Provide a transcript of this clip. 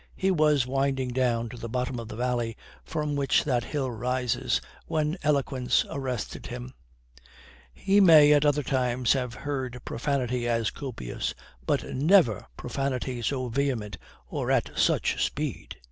He was winding down to the bottom of the valley from which that hill rises, when eloquence arrested him. He may at other times have heard profanity as copious, but never profanity so vehement or at such speed.